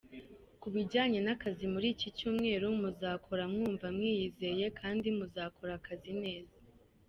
Ku bijyanye n’akazi muri iki cyumweru muzakora mwumva mwiyizeye kandi muzakora akazi neza.